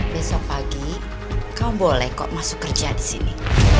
besok pagi kau boleh kok masuk kerja di sini